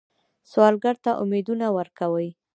سوالګر ته امیدونه ورکوئ